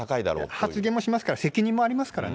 発言もしますから、責任もありますからね。